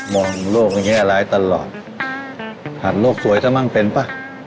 มองโลกแง่ร้ายตลอดผ่านโลกสวยซะมั่งเป็นป่ะ